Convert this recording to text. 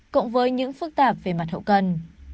cộng với những phức tạp về mặt hậu cần